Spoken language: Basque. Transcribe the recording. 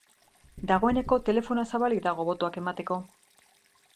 Dagoeneko telefonoa zabalik dago botoak emateko.